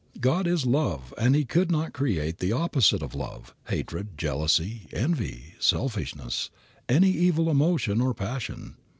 God is love and He could not create the opposite of love, hatred, jealousy, envy, selfishness, any evil emotion or passion.